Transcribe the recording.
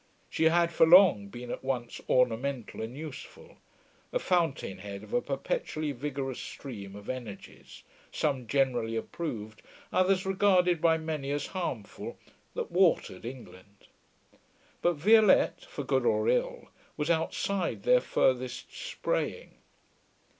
She had for long been at once ornamental and useful, a fountain head of a perpetually vigorous stream of energies, some generally approved, others regarded by many as harmful, that watered England; but Violette, for good or ill, was outside their furthest spraying.